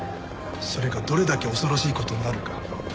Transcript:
それがどれだけ恐ろしい事になるか